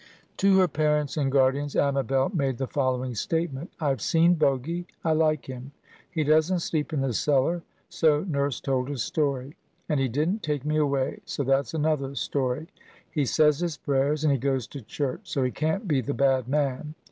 To her parents and guardians, Amabel made the following statement: "I've seen Bogy. I like him. He doesn't sleep in the cellar, so Nurse told a story. And he didn't take me away, so that's another story. He says his prayers, and he goes to church, so he can't be the Bad Man.